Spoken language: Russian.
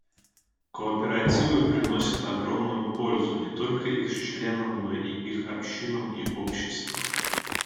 Кооперативы приносят огромную пользу не только их членам, но и их общинам и обществам.